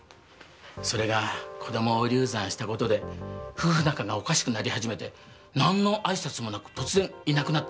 それが子供を流産した事で夫婦仲がおかしくなり始めてなんの挨拶もなく突然いなくなったらしくて。